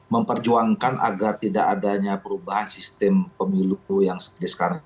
memperjuangkan agar tidak adanya perubahan sistem pemilu yang seperti sekarang